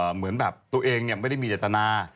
เหมือนแบบตัวเองไม่ได้มีเจตนา